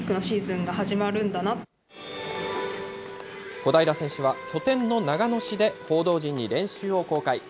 小平選手は拠点の長野市で、報道陣に練習を公開。